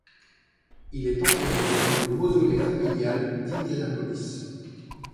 Il est enterré dans le mausolée familiale d'Indianapolis.